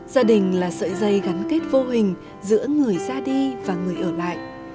gia đình là sợi dây gắn kết vô hình giữa người ra đi và người ở lại